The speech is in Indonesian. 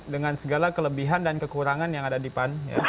dengan segala kelebihan dan kekurangan yang ada di pan